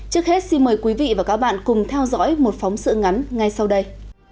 trước hết xin mời quý vị và các bạn cùng theo dõi một phóng sự ngắn ngay sau đây